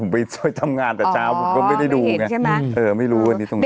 เพราะที่ผมไปทำงานตั้งแต่เจ้าอ๋อไม่เห็นใช่ไหมเออไม่รู้ว่านี้ตรงนี้